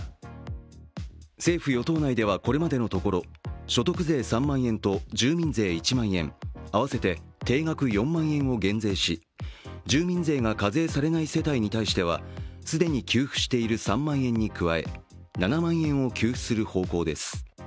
政府・与党内ではこれまでのところ所得税３万円と住民税１万円合わせて定額４万円を減税し住民税が課税されない世帯に関しては、既に給付している３万円に加え７万円を給付する方向です。